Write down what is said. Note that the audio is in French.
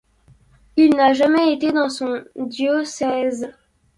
Il n'a jamais été dans son diocèse.